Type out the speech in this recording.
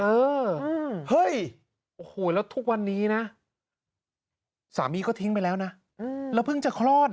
เออเฮ้ยโอ้โหแล้วทุกวันนี้นะสามีก็ทิ้งไปแล้วนะแล้วเพิ่งจะคลอดอ่ะ